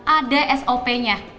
ada sop nya